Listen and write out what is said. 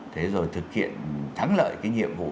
thế rồi thực hiện thắng lợi cái nhiệm vụ